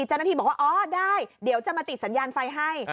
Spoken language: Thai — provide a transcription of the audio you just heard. เจ้าหน้าที่บอกว่าอ๋อได้เดี๋ยวจะมาติดสัญญาณไฟให้